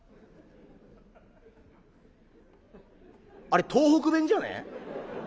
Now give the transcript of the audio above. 「あれ東北弁じゃねえ？